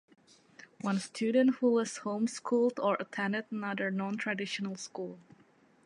One student who was home schooled or attended another non-traditional school.